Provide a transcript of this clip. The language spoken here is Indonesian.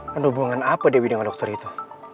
dan hubungan apa dewi dengan dokter itu